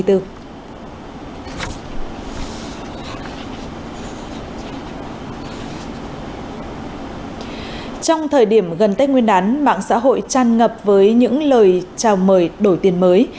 trong thời điểm gần tết nguyên đán mạng xã hội tràn ngập với những lời chào mời đổi tiền mới